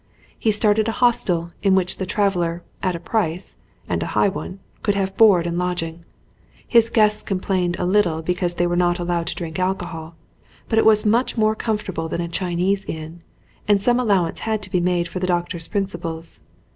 He started a hostel in which the traveller, at a price, and a high one, could have board and lodging. His guests complained a little because they were not allowed to drink alcohol, but it was much more comfortable than a Chinese inn, and some allow ance had to be made for the doctor's principles.